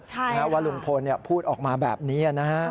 แม้ว่าลุงพลพูดออกมาแบบนี้